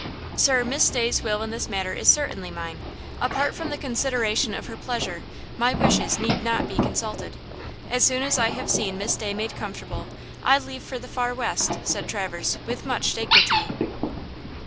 "Sir, Miss Day's will in this matter is certainly mine. Apart from the consideration of her pleasure, my wishes need not be consulted. As soon as I have seen Miss Day made comfortable I leave for the far West," said Traverse, with much dignity.